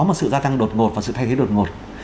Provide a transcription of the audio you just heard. một sự gia tăng đột ngột và sự thay thế đột ngột